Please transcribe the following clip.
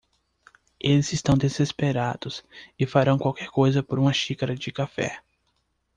Eles estão desesperados e farão qualquer coisa por uma xícara de café.